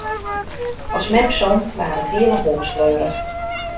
As mem song, wie it hiele hûs fleurich.